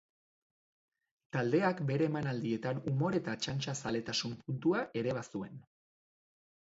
Taldeak bere emanaldietan umore eta txantxa-zaletasun puntua ere bazuen.